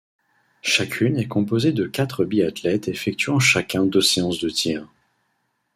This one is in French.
Chacune est composée de quatre biathlètes effectuant chacun deux séances de tir.